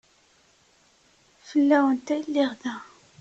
Fell-awent ay lliɣ da.